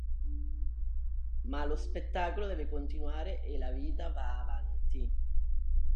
Ma lo spettacolo deve continuare e la vita va avanti.